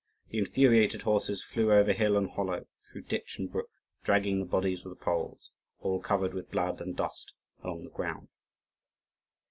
The infuriated horses flew over hill and hollow, through ditch and brook, dragging the bodies of the Poles, all covered with blood and dust, along the ground.